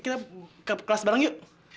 kita kelas bareng yuk